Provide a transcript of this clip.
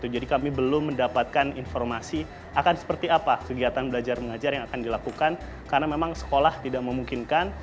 jadi kami belum mendapatkan informasi akan seperti apa kegiatan belajar mengajar yang akan dilakukan karena memang sekolah tidak memungkinkan